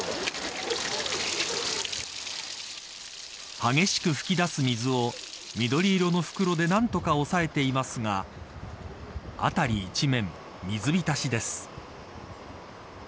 激しく噴き出す水を緑色の袋で何とか抑えていますが辺り一面、水浸しです。